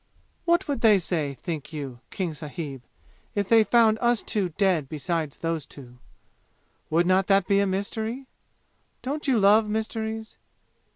"What would they say, think you, King sahib, if they found us two dead beside those two? Would not that be a mystery? Don't you love mysteries?